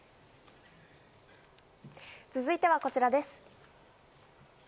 続いてはこちらです。